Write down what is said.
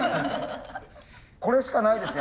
これしかないです